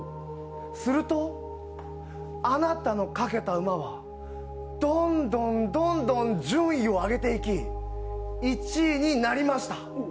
すると、あなたの賭けた馬はどんどんどん順位を上げていき１位になりました。